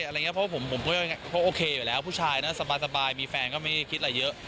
อะไรอย่างนี้เพราะว่าผมโอเคอยู่แล้วผู้ชายสบายมีแฟนไม่คิดอะไรเยอะ